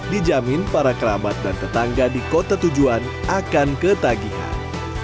dijamin para kerabat dan tetangga di kota tujuan akan ketagihan